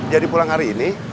jadi pulang hari ini